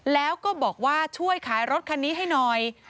แล้วก็บอกว่าช่วยขายรถคันนี้ให้หน่อย